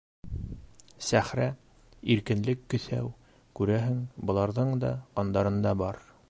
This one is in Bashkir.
Сәхрә, иркенлек көҫәү, күрәһең, быларҙың да ҡандарында бар.